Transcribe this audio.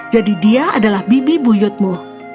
jadi dia adalah bibi buyutmu